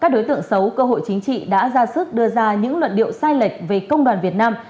các đối tượng xấu cơ hội chính trị đã ra sức đưa ra những luận điệu sai lệch về công đoàn việt nam